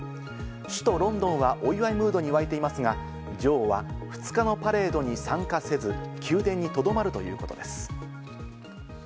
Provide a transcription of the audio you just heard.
首都ロンドンはお祝いムードにわいていますが、女王は２日のパレードに参加せず宮殿にとどまるということです。